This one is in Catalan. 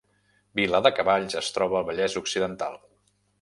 Viladecavalls es troba al Vallès Occidental